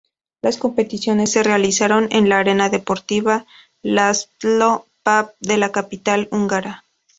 Las competiciones se realizaron en la Arena Deportiva László Papp de la capital húngara.